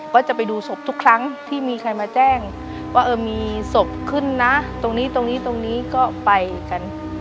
ก็จะไปดูศพทุกครั้งที่มีใครมาแจ้งว่าเออมีศพขึ้นนะตรงนี้ตรงนี้ตรงนี้ก็ไปกัน